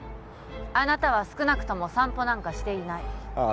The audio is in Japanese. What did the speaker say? あなたは少なくとも散歩なんかしていないああ